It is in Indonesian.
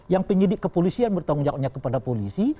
yang penyidik kepolisian bertanggung jawabnya kepada polisi